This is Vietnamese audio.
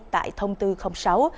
tại thông tư sáu